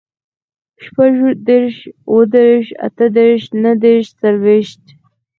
شپوږدېرش, اوهدېرش, اتهدېرش, نهدېرش, څلوېښت